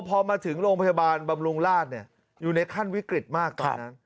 พอมาถึงโรงพยาบาลบำรุงราชอยู่ในขั้นวิกฤตมากตอนนั้น